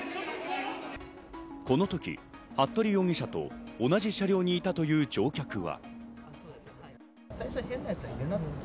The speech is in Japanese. この時、服部容疑者と同じ車両にいたという乗客は。